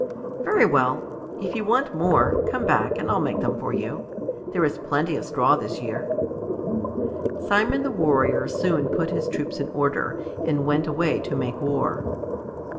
"Very well. If you want more, come back and I'll make them for you. There is plenty of straw this year." Simon the Warrior soon put his troops in order, and went away to make war.